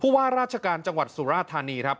ว่าราชการจังหวัดสุราธานีครับ